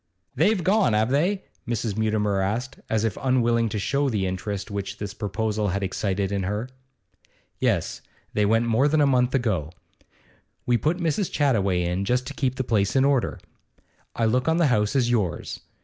'They've gone, have they?' Mrs. Mutimer asked, as if unwilling to show the interest which this proposal had excited in her. 'Yes, they went more than a month ago. We put Mrs. Chattaway in just to keep the place in order. I look on the house as yours.